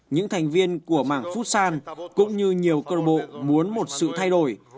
những thành viên của mảng futsal cũng như nhiều club bộ muốn một sự thay đổi